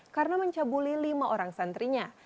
karena mencabuli lima orang santrinya